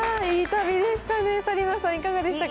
いい旅でしたね。